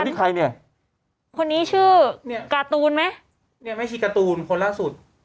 นี่ใครเนี่ยคนนี้ชื่อเนี่ยการ์ตูนไหมเนี่ยแม่ชีการ์ตูนคนล่าสุด